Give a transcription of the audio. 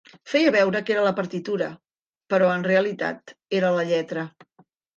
Feia veure que era la partitura, però en realitat era la lletra.